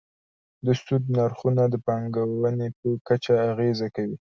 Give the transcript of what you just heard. د سود نرخونه د پانګونې په کچه اغېزه کوي.